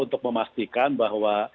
untuk memastikan bahwa